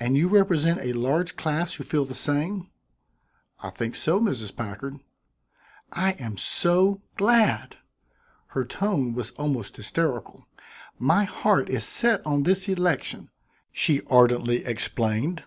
"And you represent a large class who feel the same?" "I think so, Mrs. Packard." "I am so glad!" Her tone was almost hysterical. "My heart is set on this election," she ardently explained.